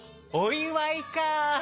おいわいか。